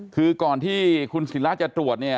คือก่อนที่คุณศิราจะตรวจเนี่ย